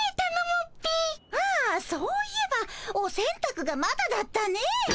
ああそういえばおせんたくがまだだったね。